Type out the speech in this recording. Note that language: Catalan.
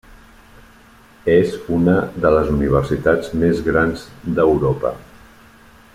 És una de les universitats més grans d'Europa.